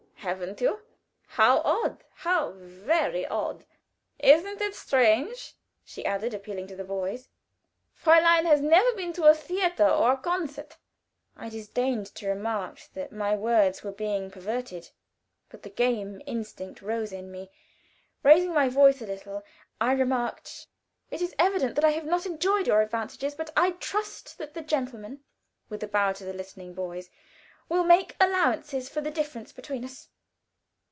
"Haven't you? How odd! How very odd! Isn't it strange?" she added, appealing to the boys. "Fräulein has never been to a theater or a concert." I disdained to remark that my words were being perverted, but the game instinct rose in me. Raising my voice a little, I remarked: "It is evident that I have not enjoyed your advantages, but I trust that the gentlemen" (with a bow to the listening boys) "will make allowances for the difference between us."